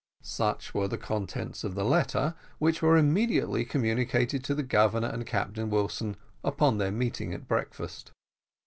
Such were the contents of the letter, which were immediately communicated to the Governor and Captain Wilson, upon their meeting at breakfast.